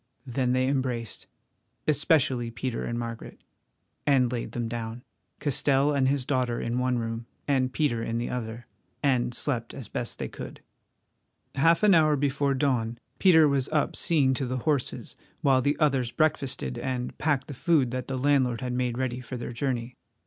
Then they embraced—especially Peter and Margaret—and laid them down, Castell and his daughter in one room, and Peter in the other, and slept as best they could. Half an hour before dawn Peter was up seeing to the horses while the others breakfasted and packed the food that the landlord had made ready for their journey.